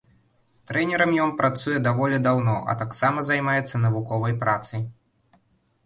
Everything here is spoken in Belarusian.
Трэнерам ён працуе даволі даўно, а таксама займаецца навуковай працай.